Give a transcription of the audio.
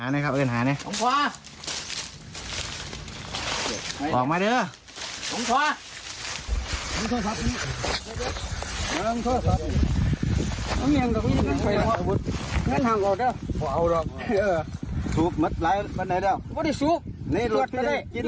นี่อันนี้ตอนที่ภูมิคุมตัวมาได้แล้วนะคะ